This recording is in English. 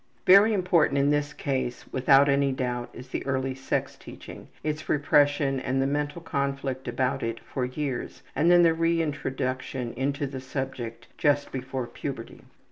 Very important in this case, without any doubt, is the early sex teaching, its repression and the mental conflict about it for years, and then the reintroduction into the subject just before puberty.